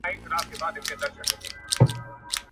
که په خوړو کې مالګه زیاته وي.